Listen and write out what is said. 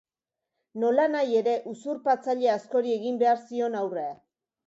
Nolanahi ere, usurpatzaile askori egin behar zion aurre.